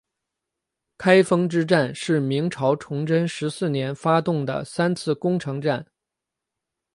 开封之战是明朝崇祯十四年发动的三次攻城战。